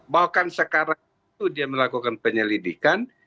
bahkan sekarang itu dia melakukan penyelidikan